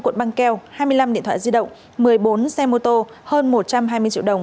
bốn mươi năm cuộn băng keo hai mươi năm điện thoại di động một mươi bốn xe mô tô hơn một trăm hai mươi triệu đồng